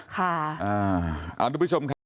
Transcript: ค่ะอ่าคุณผู้ชมค่ะ